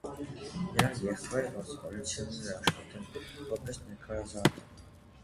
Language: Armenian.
Նրա եղբայրը ոստիկանությունում է աշխատում, որպես նկարազարդող։